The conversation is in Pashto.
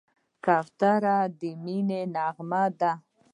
کوتره د مینې نغمه ده.